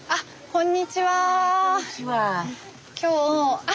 こんにちは。